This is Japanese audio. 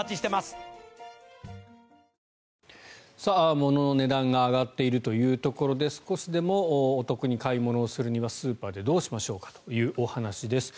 ものの値段が上がっているというところで少しでもお得に買い物するにはスーパーでどうしましょうかというお話です。